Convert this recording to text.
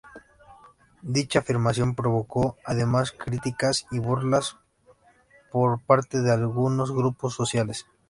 Dicha afirmación provocó, además, críticas y burlas por parte de algunos grupos sociales.